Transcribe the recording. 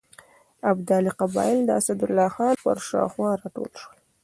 ابدالي قبایل د اسدالله خان پر شاوخوا راټول شول.